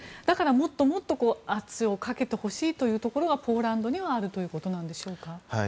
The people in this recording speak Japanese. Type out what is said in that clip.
だから、もっともっと圧をかけてほしいというのがポーランドにはあるということなんでしょうか。